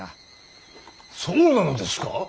そうなのですか！